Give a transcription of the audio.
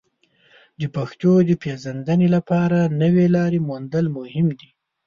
د پښتو د پیژندنې لپاره نوې لارې موندل مهم دي.